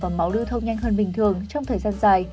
và máu lưu thông nhanh hơn bình thường trong thời gian dài